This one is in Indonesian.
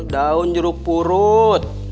daun jeruk purut